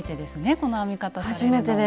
この編み方されるのは。